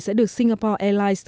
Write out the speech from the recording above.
sẽ được singapore airways